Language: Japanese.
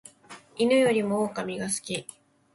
犬よりも狼が好き